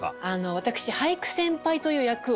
私俳句先輩という役を。